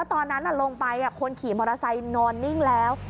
ตอนนั้นลงไปคนขี่มอเตอร์ไซค์นอนนิ่งแล้ว